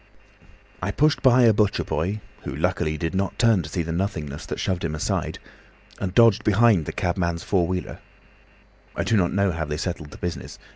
I pushed by a butcher boy, who luckily did not turn to see the nothingness that shoved him aside, and dodged behind the cab man's four wheeler. I do not know how they settled the business.